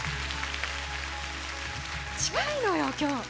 近いのよ、今日。